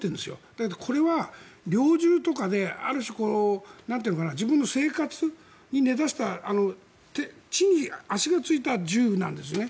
だけど、これは猟銃とかである種、自分の生活に根差した地に足がついた銃なんですね。